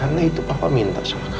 karena itu papa minta sama kamu